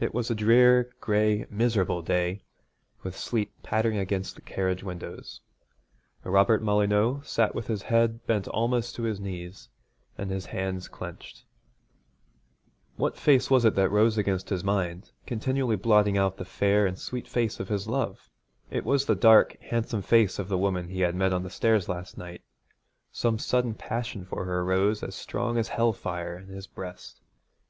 It was a drear, gray, miserable day, with sleet pattering against the carriage windows. Robert Molyneux sat with his head bent almost to his knees, and his hands clenched. What face was it rose against his mind, continually blotting out the fair and sweet face of his love? It was the dark, handsome face of the woman he had met on the stairs last night. Some sudden passion for her rose as strong as hell fire in his breast.